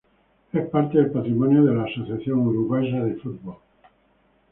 Es parte del patrimonio de la Asociación Uruguaya de Fútbol.